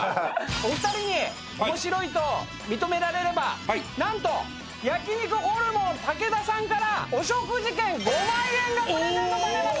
お二人に面白いと認められれば何と焼肉ホルモンたけ田さんからお食事券５万円がプレゼントされますよ！